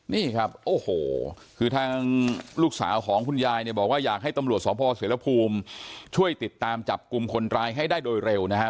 นี่ครับโอ้โหคือทางลูกสาวของคุณยายเนี่ยบอกว่าอยากให้ตำรวจสพเสรภูมิช่วยติดตามจับกลุ่มคนร้ายให้ได้โดยเร็วนะฮะ